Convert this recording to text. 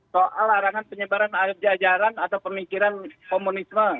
soal larangan penyebaran jajaran atau pemikiran komunisme